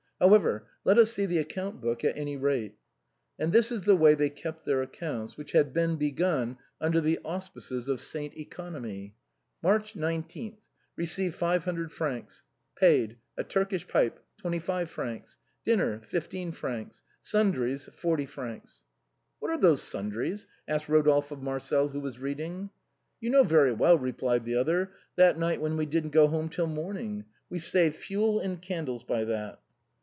However, let us see the account book, at any rate." And this is the way they kept their accounts, which had been begun under the auspices of Saint Economy :" March 19. Received 500 francs. Paid, a Turkish pipe, 25 fr.j dinner, 15 fr.; sundries, 40 fr" " What are those sundries ?" asked Kodolphe of Marcel, who was reading. " You know very well," replied the other :" that night when we didn't go home till morning. We saved fuel and candles by that."